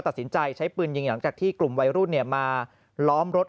ตัดสินใจใช้ปืนยิงหลังจากที่กลุ่มวัยรุ่นมาล้อมรถ